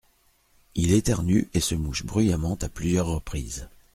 Il éternue et se mouche bruyamment à plusieurs reprises.